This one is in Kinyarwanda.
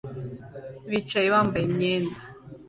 Bicaye bambaye imyenda